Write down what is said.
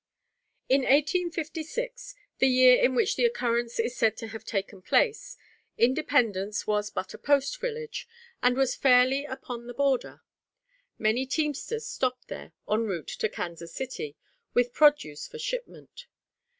In 1856, the year in which the occurrence is said to have taken place, Independence was but a post village, and was fairly upon the border. Many teamsters stopped there, en route to Kansas City with produce for shipment.